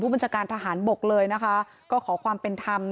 บัญชาการทหารบกเลยนะคะก็ขอความเป็นธรรม